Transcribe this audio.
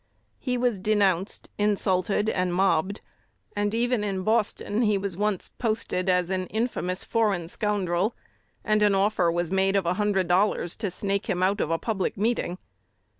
He was denounced, insulted, and mobbed; and even in Boston he was once posted as an "infamous foreign scoundrel," and an offer was made of a hundred dollars to "snake him out" of a public meeting.